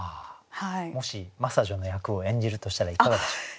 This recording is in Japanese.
もし真砂女の役を演じるとしたらいかがでしょう？